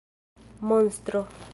monstro